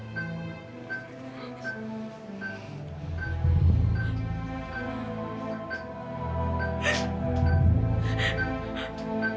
sampai jumpa di video selanjutnya